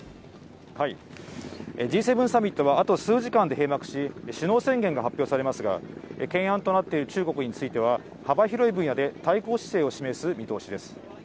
Ｇ７サミットはあと数時間で閉幕し、首脳宣言が発表されますが、懸案となっている中国については、幅広い分野で対抗姿勢を示す見通しです。